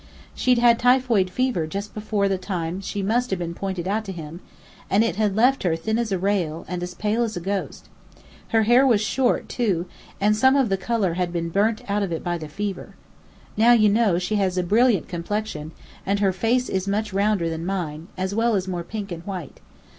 She'd had typhoid fever just before the time she must have been pointed out to him, and it had left her thin as a rail, and as pale as a ghost. Her hair was short, too, and some of the colour had been burnt out of it by the fever. Now, you know, she has a brilliant complexion, and her face is much rounder than mine, as well as more pink and white.